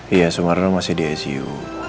iya sumarna masih di su